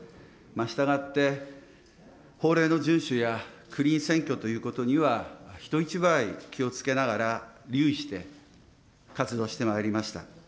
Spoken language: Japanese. したがって、法令の順守やクリーン選挙ということには人一倍気をつけながら、留意して活動してまいりました。